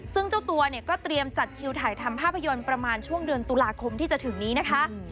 ซึ่งเจ้าตัวเนี่ยก็เตรียมจัดคิวถ่ายทำภาพยนตร์ประมาณช่วงเดือนตุลาคมที่จะถึงนี้นะคะ